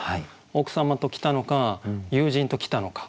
奥様と来たのか友人と来たのか。